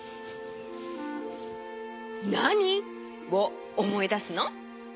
「なに」をおもいだすの？